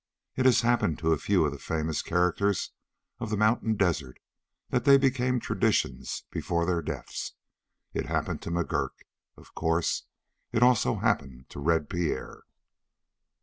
It has happened to a few of the famous characters of the mountain desert that they became traditions before their deaths. It happened to McGurk, of course. It also happened to Red Pierre.